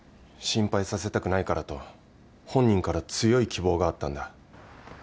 心配させたくないからと本人から強い希望があったんだ。